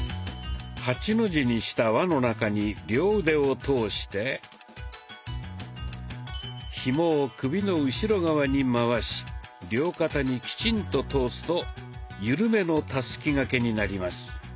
８の字にした輪の中に両腕を通してひもを首の後ろ側に回し両肩にきちんと通すとゆるめの「たすき掛け」になります。